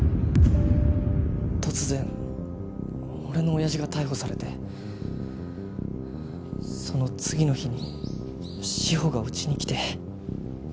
突然俺の親父が逮捕されてその次の日に志法がうちに来て。